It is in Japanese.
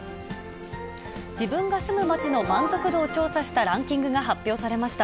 自分が住む街の満足度を調査したランキングが発表されました。